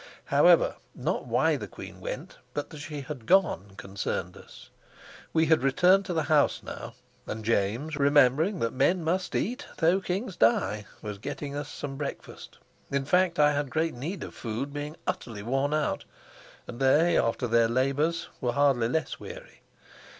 However, not why the queen went, but that she had gone, concerned us. We had returned to the house now, and James, remembering that men must eat though kings die, was getting us some breakfast. In fact, I had great need of food, being utterly worn out; and they, after their labors, were hardly less weary.